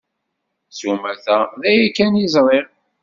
S umata, d aya kan i ẓriɣ.